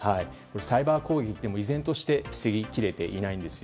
サイバー攻撃って依然として防ぎきれていないんです。